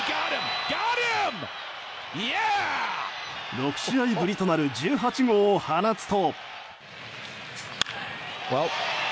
６試合ぶりとなる１８号を放つと。